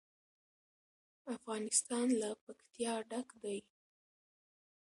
افغانستان له پکتیا ډک دی.